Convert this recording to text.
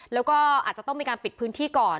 แล้วก็อาจจะต้องมีการปิดพื้นที่ก่อน